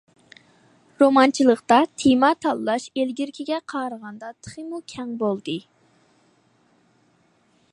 رومانچىلىقتا تېما تاللاش ئىلگىرىكىگە قارىغاندا تېخىمۇ كەڭ بولدى.